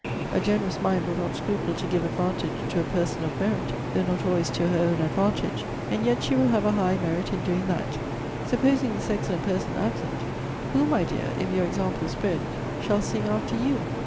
A generous mind will not scruple to give advantage to a person of merit, though not always to her own advantage. And yet she will have a high merit in doing that. Supposing this excellent person absent, who, my dear, if your example spread, shall sing after you?